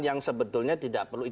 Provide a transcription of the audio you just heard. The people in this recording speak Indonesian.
yang sebetulnya tidak perlu